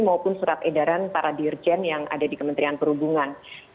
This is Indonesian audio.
maupun surat edaran para dirjen yang ada di kementerian perhubungan